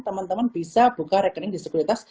teman teman bisa buka rekening di sekuritas